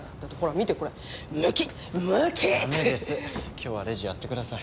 今日はレジやってください。